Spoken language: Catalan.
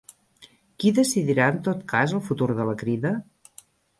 Qui decidirà en tot cas el futur de la Crida?